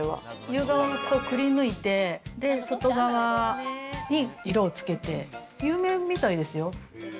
夕顔をくり抜いていって、外側に色をつけて有名みたいですよ。